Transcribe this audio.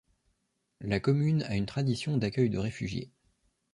La commune a une tradition d'accueil de réfugiés.